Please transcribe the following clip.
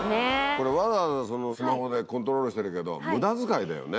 これわざわざそのスマホでコントロールしてるけど無駄遣いだよね。